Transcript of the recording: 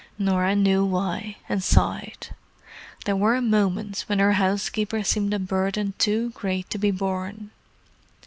Norah knew why, and sighed. There were moments when her housekeeper seemed a burden too great to be borne.